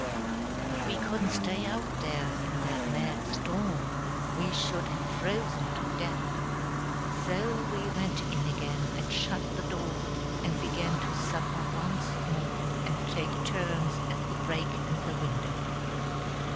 But we couldn't stay out there in that mad storm; we should have frozen to death. So we went in again and shut the door, and began to suffer once more and take turns at the break in the window.